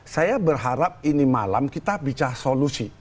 saya berharap ini malam kita bisa solusi